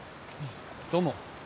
どうも。